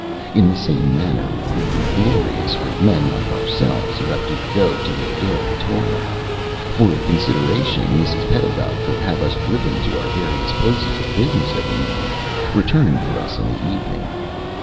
In the same manner it would be glorious for men like ourselves, who have to go to their daily toil. For a consideration, Mrs. Pedagog could have us driven to our various places of business every morning, returning for us in the evening.